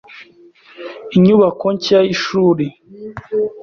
Inyubako nshya y ishuri